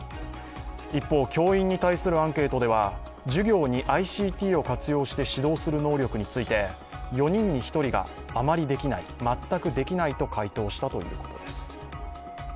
一方、教員に対するアンケートでは授業にＩＣＴを活用して指導する能力について、４人に１人があまりできない、全くできないと回答したということです。